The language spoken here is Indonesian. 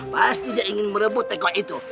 pasti dia ingin merebut tagline itu